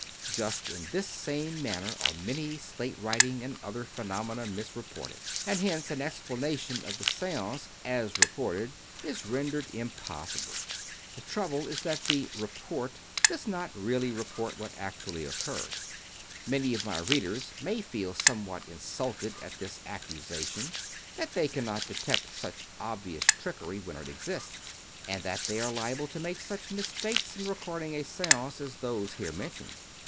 Just in this same manner, are many slate writing and other phenomena misreported, and hence an explanation of the seance, as reported, is ren dered impossible. The trouble is that the " report " does not really report what actually occurred. ••••• Many of my readers may feel somewhat insulted at this accusation that they cannot detect such obvious trickery 288 Hereward Carringtan when it exists, and that they are liable to make such mis takes in recording a seance as those here mentioned.